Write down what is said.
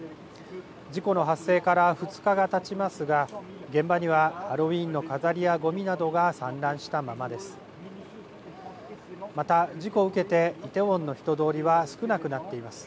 事故の発生から２日がたちますが現場にはハロウィーンの飾りやごみなどが散乱したままです。